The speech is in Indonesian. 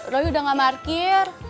roy udah gak parkir